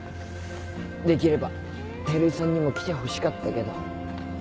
できれば照井さんにも来てほしかったけど。